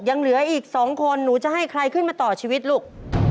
ยังเหลืออีก๒คนหนูจะให้ใครขึ้นมาต่อชีวิตลูก